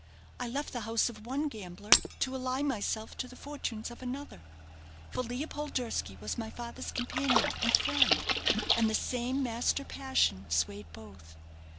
I left the house of one gambler to ally myself to the fortunes of another, for Leopold Durski was my father's companion and friend, and the same master passion swayed both.